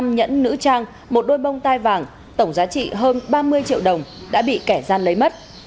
năm nhẫn nữ trang một đôi bông tai vàng tổng giá trị hơn ba mươi triệu đồng đã bị kẻ gian lấy mất